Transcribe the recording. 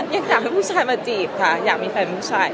ยังทำให้ผู้ชายมาจีบค่ะอยากมีแฟนผู้ชายค่ะ